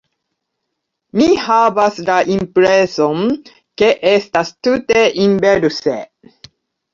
Mi havas la impreson, ke estas tute inverse.